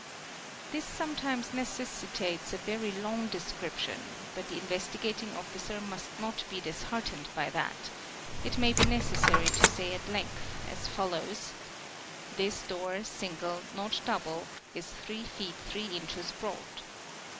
...."| bod This sometimes necessitates a very long description but the Invest: gating Officer must not be disheartened by that; it may be necessary t say at length as follows:—'' This door, single, not double, is 3 ft. inches broad.